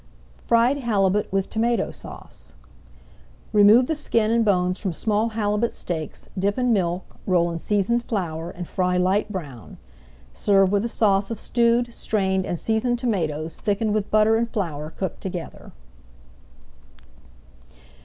[Page 195] FRIED HALIBUT WITH TOMATO SAUCE Remove the skin and bones from small halibut steaks, dip in milk, roll in seasoned flour, and fry light brown. Serve with a sauce of stewed, strained, and seasoned tomatoes thickened with butter and flour, cooked together.